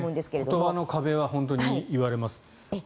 言葉の壁は本当にいわれます。